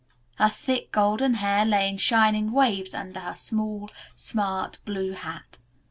Her thick golden hair lay in shining waves under her small, smart blue hat.